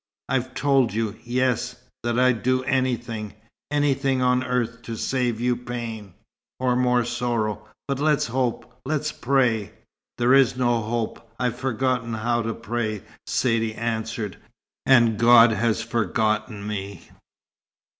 "I've told you yes that I'll do anything anything on earth to save you pain, or more sorrow. But let's hope let's pray." "There is no hope. I've forgotten how to pray," Saidee answered, "and God has forgotten me."